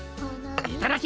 いただき！